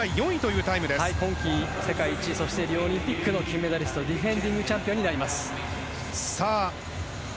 今季世界一そしてリオオリンピックの金メダリストディフェンディングチャンピオンです。